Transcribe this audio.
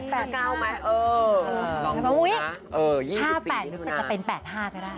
หรือจะเป็น๘๕ได้ได้